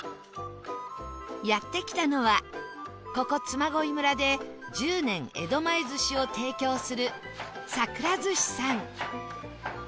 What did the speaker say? やって来たのはここ嬬恋村で１０年江戸前寿司を提供するさくら寿司さん